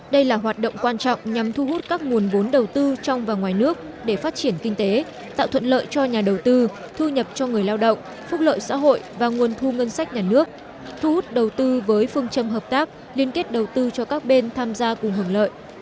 đây là hoạt động quan trọng nhằm thu hút các nguồn vốn đầu tư trong và ngoài nước để phát triển kinh tế tạo thuận lợi cho nhà đầu tư thu nhập cho người lao động phúc lợi xã hội và nguồn thu ngân sách nhà nước thu hút đầu tư với phương châm hợp tác liên kết đầu tư cho các bên tham gia cùng hưởng lợi